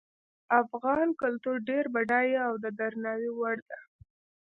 افغان کلتور ډیر بډایه او د درناوي وړ ده